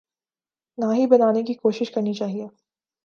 نہ ہی بنانے کی کوشش کرنی چاہیے۔